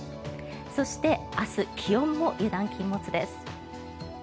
そして明日気温も油断禁物です。